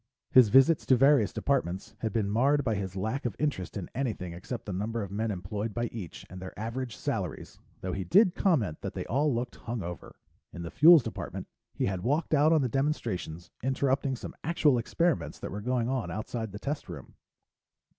His visits to various departments had been marred by his lack of interest in anything except the number of men employed by each and their average salaries, though he did comment that they all looked hung over. In the Fuels Department, he had walked out on the demonstrations, interrupting some actual experiments that were going on outside the test room.